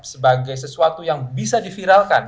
sebagai sesuatu yang bisa diviralkan